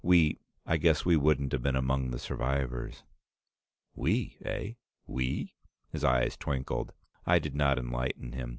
"We I guess we wouldn't have been among the survivors." "We, eh? We?" His eyes twinkled. I did not enlighten him.